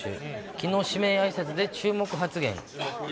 きのう、指名あいさつで注目発言。